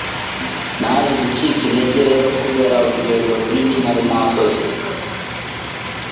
Naje gucika intege rero kubera urugendo runini nari nakoze